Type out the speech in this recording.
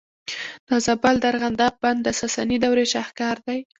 د زابل د ارغنداب بند د ساساني دورې شاهکار دی